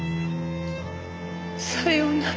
さようなら。